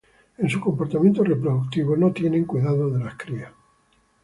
En su comportamiento reproductivo no tienen cuidado de las crías.